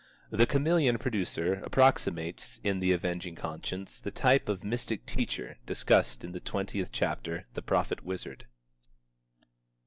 The Chameleon producer approximates in The Avenging Conscience the type of mystic teacher, discussed in the twentieth chapter: "The Prophet Wizard."